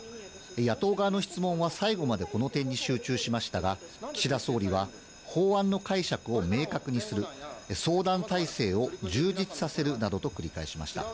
野党側の質問は最後までこの点に集中しましたが、岸田総理は、法案の解釈を明確にする、相談体制を充実させるなどと繰り返しました。